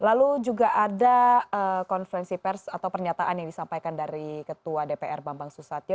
lalu juga ada konferensi pers atau pernyataan yang disampaikan dari ketua dpr bambang susatyo